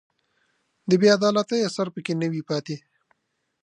د بې عدالتۍ اثر په کې نه وي پاتې